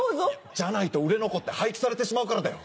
じゃないと売れ残って廃棄されてしまうからだよ。